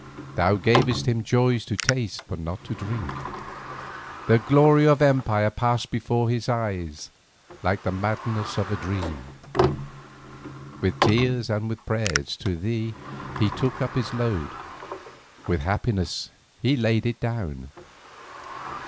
Thou gavest him joys to taste but not to drink; the glory of empire passed before his eyes like the madness of a dream. With tears and with prayers to thee he took up his load, with happiness he laid it down.